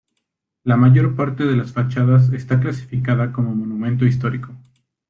La mayor parte de las fachadas está clasificada como monumento histórico.